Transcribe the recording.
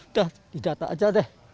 udah didata aja deh